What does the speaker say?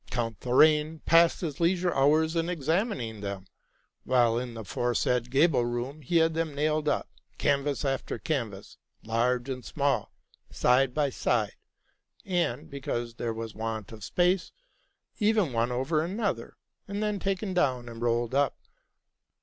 Count Thorane passed his leisure hours in examining them; while in the aforesaid gable room he had them nailed up, canvas after canvas, large and small, side by side, and, because there was want of space, even one over another, and then taken down and rolled up.